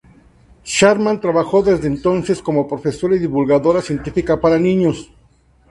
Sharman trabajó desde entonces como profesora y divulgadora científica para niños.